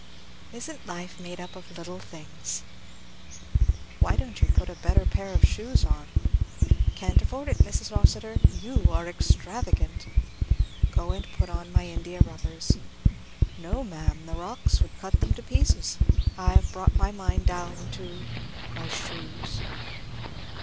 Isn't life made up of little things!" "Why don't you put a better pair of shoes on?" "Can't afford it, Mrs. Rossitur! You are extravagant!" "Go and put on my India rubbers." "No ma'am! the rocks would cut them to pieces. I have brought my mind down to my shoes."